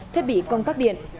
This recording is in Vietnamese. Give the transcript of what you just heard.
thiết bị công tác điện